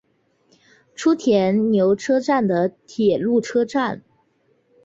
初田牛车站的铁路车站。